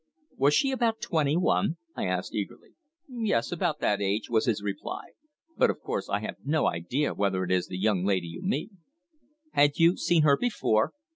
"Was she about twenty one?" I asked eagerly. "Yes about that age," was his reply. "But, of course, I have no idea whether it is the young lady you mean." "Had you seen her before?"